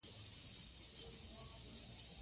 مـور مـې کـه څـه هـم له ډېـره وخـته نـاروغـه وه.